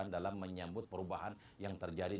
dalam menyambut perubahan yang terjadi